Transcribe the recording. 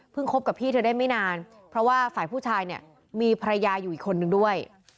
คบกับพี่เธอได้ไม่นานเพราะว่าฝ่ายผู้ชายเนี่ยมีภรรยาอยู่อีกคนนึงด้วย